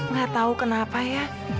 gak tau kenapa ya